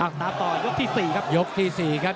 หักตาต่อยกลับยกต์ที่สี่ครับ